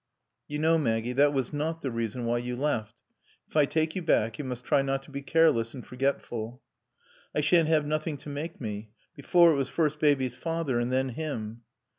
"You know, Maggie, that was not the reason why you left. If I take you back you must try not to be careless and forgetful." "I shan't 'ave nothing to make me. Before, it was first Baby's father and then 'im."